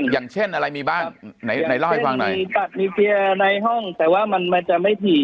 อย่างเช่นอะไรมีบ้างไหนไหนเล่าให้ฟังหน่อยมีตัดมีเฟียร์ในห้องแต่ว่ามันมันจะไม่ถี่